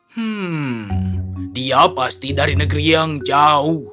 hmm dia pasti dari negeri yang jauh